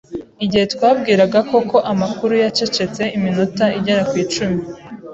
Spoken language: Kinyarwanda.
Igihe twabwiraga Koko amakuru, yacecetse iminota igera ku icumi.